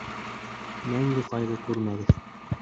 Мәңге ҡайғы күрмәгеҙ!